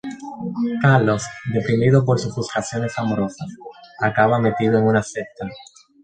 Carlos, deprimido por sus frustraciones amorosas, acaba metido en una secta.